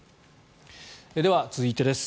では続いてです。